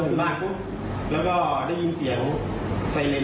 เข้าไปถึงบ้านครับแล้วก็ได้ยินเสียงไฟเลนส์